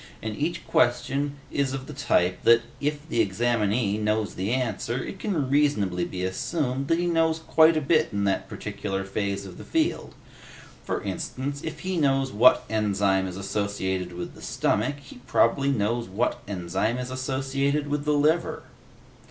And each question is of the type that, if the examinee knows the answer, it can be reasonably assumed that he knows quite a bit in that particular phase of the field. For instance, if he knows what enzyme is associated with the stomach, he probably knows what enzyme is associated with the liver."